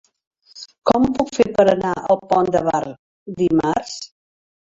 Com ho puc fer per anar al Pont de Bar dimarts?